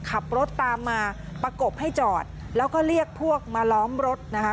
ขับรถตามมาประกบให้จอดแล้วก็เรียกพวกมาล้อมรถนะคะ